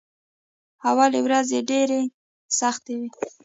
اولې ورځې ډېرې سختې وې.